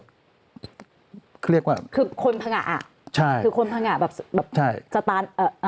คือเรียกว่าคือคนผงะอ่ะคือคนผงะแบบสตาร์นใช่